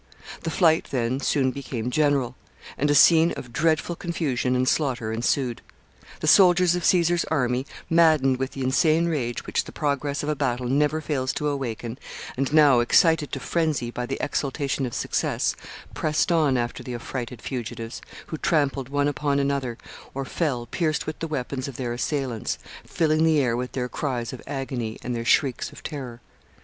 The flight then soon became general, and a scene of dreadful confusion and slaughter ensued. The soldiers of Caesar's army, maddened with the insane rage which the progress of a battle never fails to awaken, and now excited to phrensy by the exultation of success, pressed on after the affrighted fugitives, who trampled one upon another, or fell pierced with the weapons of their assailants, filling the air with their cries of agony and their shrieks of terror.